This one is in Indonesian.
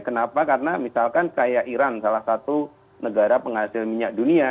kenapa karena misalkan kayak iran salah satu negara penghasil minyak dunia